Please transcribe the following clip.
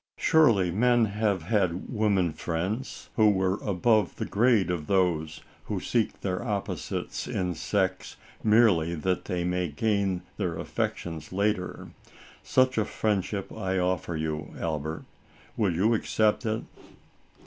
Surely men have had women friends, who were above the grade of those, who seek their opposites in sex, merely that they may gain their affections ALICE ; OR, THE WAGES OF SIN. IS later.' Such a friendship I offer you, Albert. Will you accept it